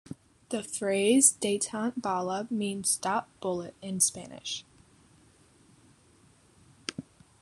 The phrase "detente bala" means "stop, bullet" in Spanish.